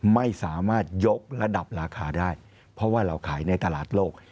ไม่สามารถยกระดับราคาได้เพราะว่าเราขายในตลาดโลก